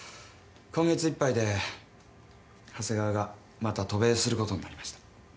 今月いっぱいで長谷川がまた渡米することになりました。